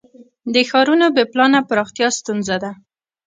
د ښارونو بې پلانه پراختیا ستونزه ده.